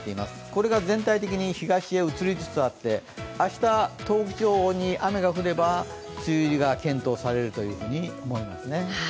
これが全体的に東へ移りつつあって明日、東北地方に雨が降れば梅雨入りが検討されると思います。